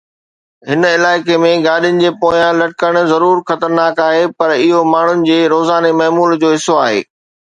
هن علائقي ۾ گاڏين جي پويان لٽڪڻ ضرور خطرناڪ آهي، پر اهو ماڻهن جي روزاني معمول جو حصو آهي.